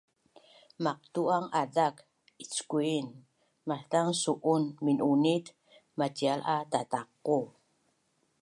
Maqtuang azak ickuin maszang su’un minunit macial a tataqu